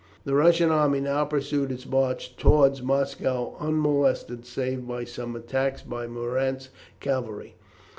The Russian army now pursued its march towards Moscow unmolested save by some attacks by Murat's cavalry.